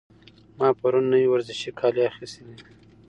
ما پرون د نوي ورزشي کالي اخیستي دي.